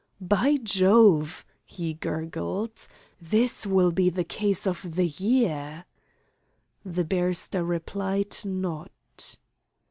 "By Jove," he gurgled, "this will be the case of the year." The barrister replied not.